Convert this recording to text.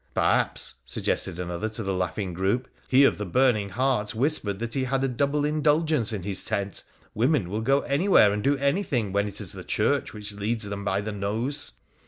' Perhaps,' suggested another to the laughing group, ' he of the burning heart whispered that he had a double Indulgence in his tent. Women will go anywhere and do anything when it is the Church which leads them by the nose.'